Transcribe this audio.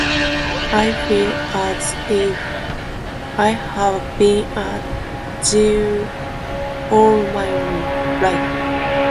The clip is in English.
I feel as if I have been a Jew all my life.